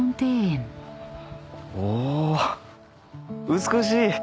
おお美しい。